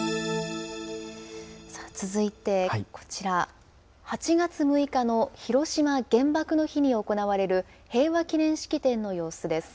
続いてこちら、８月６日の広島原爆の日に行われる、平和記念式典の様子です。